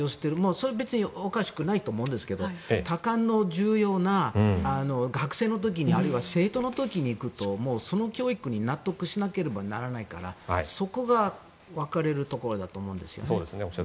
それはおかしくないと思いますけど多感な重要な学生の時にあるいは生徒の時に行くとその教育に納得しなければならないからそこが分かれるところだと思うんですよね。